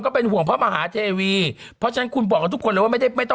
คาดการณ์ว่าจะออนเมื่อไหร่คะ